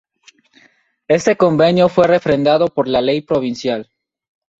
Este convenio fue refrendado por ley provincial.